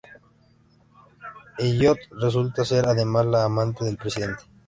Elliott resulta ser, además, la amante del presidente.